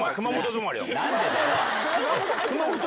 何でだよ！